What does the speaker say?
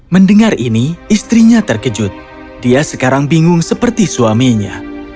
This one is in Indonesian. mendengar ini istrinya terkejut dia sekarang bingung seperti suaminya